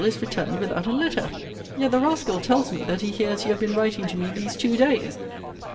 is returned without a letter! Yet the rascal tells me that he hears you have been writing to me these two days!